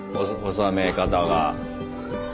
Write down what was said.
収め方が。